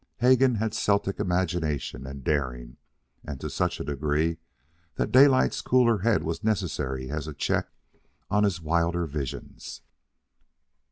Hegan had Celtic imagination and daring, and to such degree that Daylight's cooler head was necessary as a check on his wilder visions.